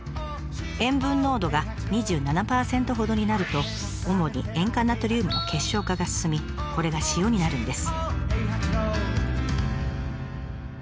塩分濃度が２７％ほどになると主に塩化ナトリウムの結晶化が進みこれが塩になるんです。